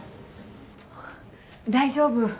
大丈夫。